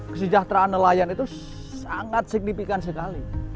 kesejahteraan nelayan itu sangat signifikan sekali